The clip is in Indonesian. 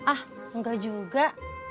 ah enggak juga